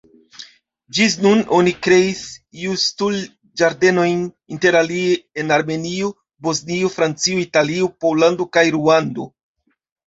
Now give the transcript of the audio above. Ĝis nun oni kreis Justul-Ĝardenojn interalie en Armenio, Bosnio, Francio, Italio, Pollando kaj Ruando.